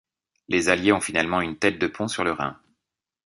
Les Alliés ont finalement une tête de pont sur le Rhin.